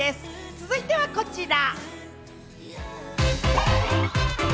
続いてはこちら。